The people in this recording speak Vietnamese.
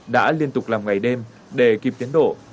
đã liên tục làm ngày đêm để kịp tiến độ